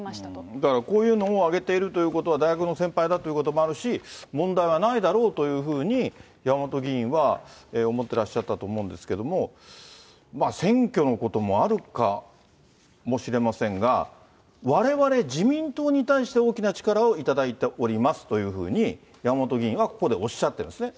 だからこういうのを上げているということは、大学の先輩だということもあるし、問題はないだろうというふうに、山本議員は思ってらっしゃったと思うんですけれども、選挙のこともあるかもしれませんが、われわれ自民党に対して大きな力を頂いておりますというふうに山本議員はここでおっしゃってるんですね。